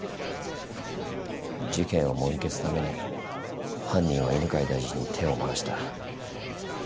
事件をもみ消すために犯人は犬飼大臣に手を回した。